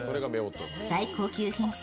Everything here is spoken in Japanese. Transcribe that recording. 最高級品種・